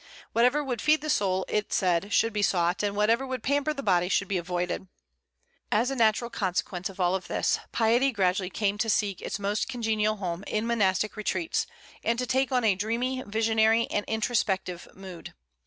Whatever would feed the soul, it said, should be sought, and whatever would pamper the body should be avoided. As a natural consequence of all this, piety gradually came to seek its most congenial home in monastic retreats, and to take on a dreamy, visionary, and introspective mood.